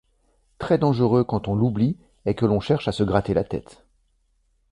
Très dangereux quand on l'oublie, et que l'on cherche à se gratter la tête.